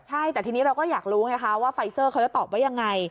ใช่แต่ทีนี้เราก็อยากรู้ไงคะว่าไฟเซอร์เขาจะตอบว่ายังไง